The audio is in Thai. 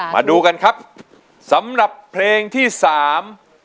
มาดูกันครับสำหรับเพลงที่สาม